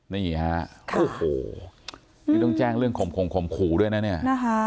นี่ฮะโอ้โหนี่ต้องแจ้งเรื่องข่มขู่ด้วยนะเนี่ย